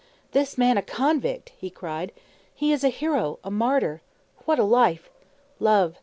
"This man a convict!" he cried. "He is a hero a martyr! What a life! Love!